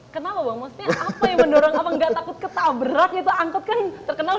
kenapa bang maksudnya apa yang mendorong apa enggak takut ketabrak itu angkut kan terkenal